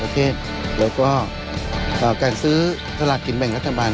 แล้วก็การซื้อสลากกินแบ่งรัฐบาล